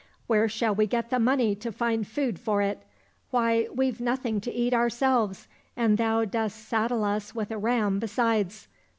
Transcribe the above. Where shall we get the money to find food for it ? Why, we've nothing to eat ourselves, and thou dost saddle us with a ram besides.